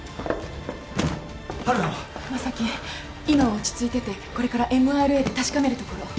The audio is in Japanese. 今は落ち着いててこれからＭＲＡで確かめるところ。